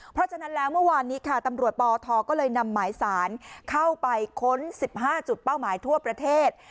เพราะฉะนั้นแล้วเมื่อวานนี้ค่ะตำรวจปทก็เลยนำหมายสารเข้าไปค้น๑๕จุดเป้าหมายทั่วประเทศ